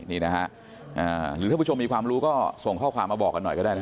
นี่นะฮะหรือท่านผู้ชมมีความรู้ก็ส่งข้อความมาบอกกันหน่อยก็ได้นะ